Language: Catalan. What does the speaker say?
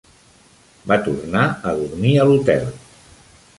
Va tornar a dormir a l'hotel.